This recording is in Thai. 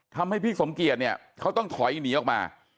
ทำให้พี่สมเกียจเนี่ยเขาต้องถอยหนีออกมา